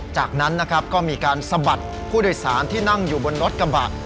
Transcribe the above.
จากนั้นนะครับก็มีการสะบัดผู้โดยสารที่นั่งอยู่บนรถกระบะ